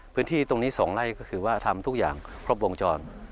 พื้นที่ตรงนี้๒ไร่ก็คือว่าทำทุกอย่างครบวงจร